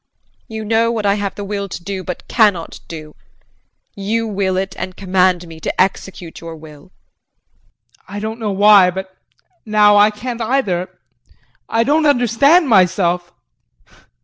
You know what I have the will to do but cannot do. You will it and command me to execute your will. JEAN. I don't know why but now I can't either. I don't understand myself.